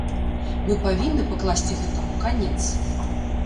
Мы павінны пакласці гэтаму канец.